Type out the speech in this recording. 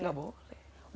tidak boleh ya